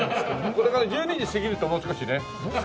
これが１２時過ぎるともう少しね。